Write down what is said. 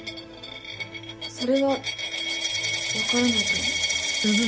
それは分からないと思う。